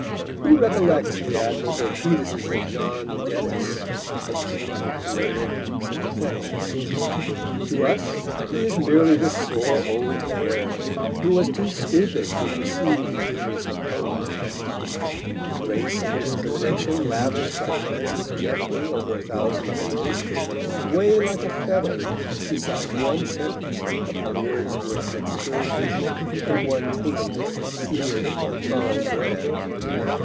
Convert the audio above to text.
Who recollects the admirable treatises of John Dennis, acute, learned, sympathetic? To us he is merely the sore old bear, who was too stupid to perceive the genius of Pope. The grace and discrimination lavished by Francis Jeffrey over a thousand pages, weigh like a feather beside one sentence about Wordsworth's Excursion, and one tasteless sneer at Charles Lamb.